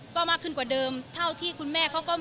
ก็มากขึ้นกว่าเดิมเท่าที่คุณแม่เขาก็